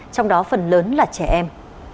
trong đó phần lớn là trẻ em